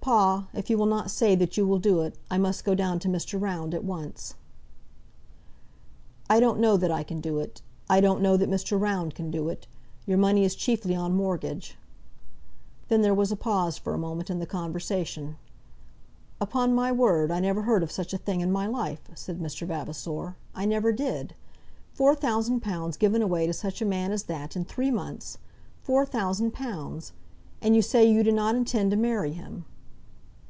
"Papa, if you will not say that you will do it, I must go down to Mr. Round at once." "I don't know that I can do it. I don't know that Mr. Round can do it. Your money is chiefly on mortgage." Then there was a pause for a moment in the conversation. "Upon my word, I never heard of such a thing in my life," said Mr. Vavasor; "I never did. Four thousand pounds given away to such a man as that, in three months! Four thousand pounds! And you say you do not intend to marry him."